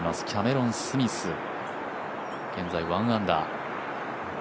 キャメロン・スミス、現在１アンダー。